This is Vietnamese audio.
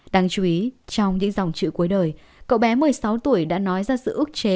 đáng chú ý trong những dòng chữ cuối đời cậu bé một mươi sáu tuổi đã nói ra sự ước chế